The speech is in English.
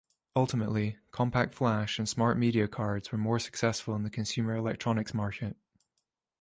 Ultimately, CompactFlash and SmartMedia cards were more successful in the consumer electronics market.